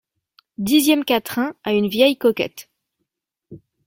dixº Quatrain à une vieille coquette.